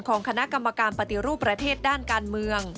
ของคณะกรรมการปฏิรูปประเทศด้านการเมือง